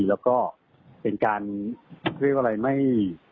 แล้วก็เป็นการเรียกว่าอะไรไม่